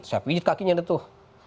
saya pijit kakinya ada tuh